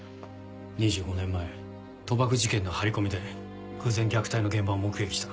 ２５年前賭博事件の張り込みで偶然虐待の現場を目撃した。